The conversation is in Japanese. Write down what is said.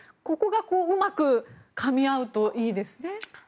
ここがうまくかみ合うといいですね。